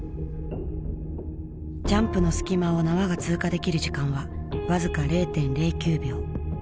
ジャンプの隙間を縄が通過できる時間は僅か０．０９秒。